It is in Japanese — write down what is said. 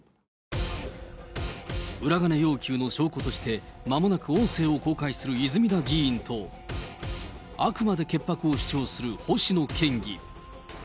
裏金要求の証拠として、まもなく音声を公開する泉田議員と、あくまで潔白を主張する星野県議。